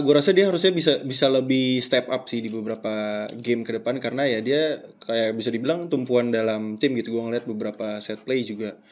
gue rasa dia harusnya bisa lebih step up sih di beberapa game ke depan karena ya dia kayak bisa dibilang tumpuan dalam tim gitu gue ngeliat beberapa set play juga